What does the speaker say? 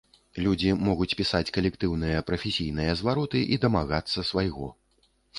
Людзі могуць пісаць калектыўныя, прафесійныя звароты і дамагацца свайго.